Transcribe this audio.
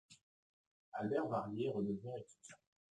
Albert Varier redevient étudiant.